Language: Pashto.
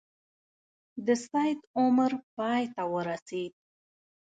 د سید عمر پای ته ورسېد.